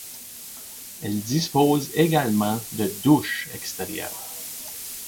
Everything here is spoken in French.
Elle dispose également de douches d'extérieur.